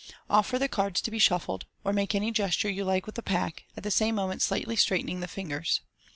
Offer the cards to be shuffled, or make any gesture you like with the pack, at the same moment slightly straighten ing the fingers.